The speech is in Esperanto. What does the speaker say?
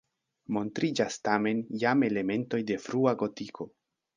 Montriĝas tamen jam elementoj de frua gotiko.